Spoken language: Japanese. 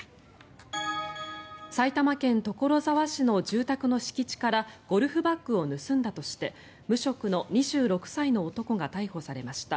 埼玉県所沢市の住宅の敷地からゴルフバッグを盗んだとして無職の２６歳の男が逮捕されました。